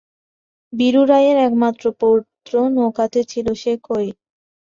বীরু রায়ের একমাত্র পুত্র নৌকাতে ছিল, সে কই?